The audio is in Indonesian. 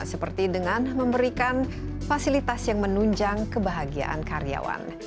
seperti dengan memberikan fasilitas yang menunjang kebahagiaan karyawan